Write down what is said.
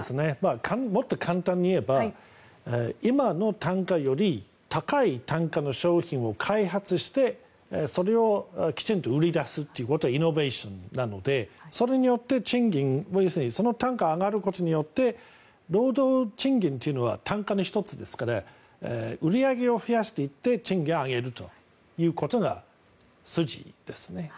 もっと簡単に言えば今の単価より高い単価の商品を開発してそれをきちんと売り出すということがイノベーションなのでそれによって賃金その単価が上がることによって労働賃金というのは単価の１つですから売り上げを増やしていって賃金を上げるということが筋ですね。